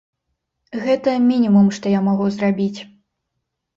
Гэта мінімум, што я магу зрабіць.